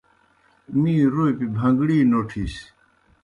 می روپیْ بھن٘گڑِی نوٹِھس۔